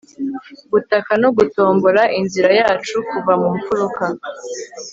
gutaka no gutombora inzira yacu kuva mu mfuruka